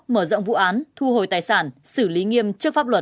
mở rộng vụ án thu hồi tài sản xử lý nghiêm trước pháp luật